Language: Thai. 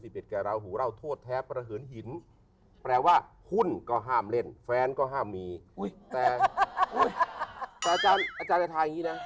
แต่ของสำหรับของพ่อหมอลักษณ์จะถ่ายแบบนี้ว่า